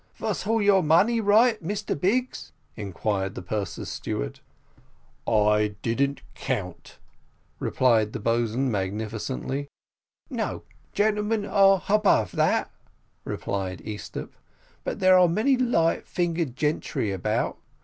"Vas hall your money right, Mr Biggs?" inquired the purser's steward. "I didn't count," replied the boatswain magnificently. "No gentlemen are above that," replied Easthupp; "but there are many light fingered gentry habout.